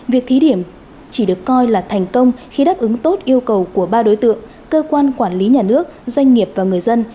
việc thí điểm chỉ được coi là thành công khi đáp ứng tốt yêu cầu của ba đối tượng cơ quan quản lý nhà nước doanh nghiệp và người dân